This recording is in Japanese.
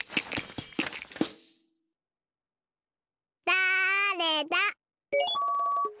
だれだ？